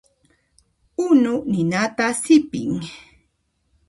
Unu ninata sipin.